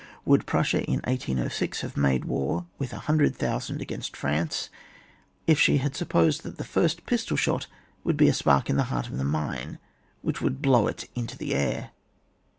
Would Prussia, in 1806, have made war with 100,000 against France, if she had supposed that the first pistol shot would be a spark in the heart of ther mine, which would blow it into the air